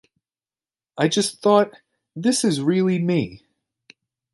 I just thought, 'This is really me.